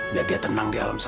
biar dia tenang di alam